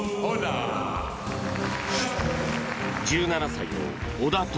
１７歳の小田凱